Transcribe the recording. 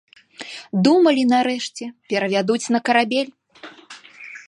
Думалі, нарэшце, перавядуць на карабель.